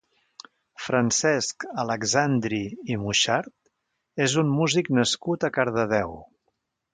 Francesc Alexandri i Muchart és un músic nascut a Cardedeu.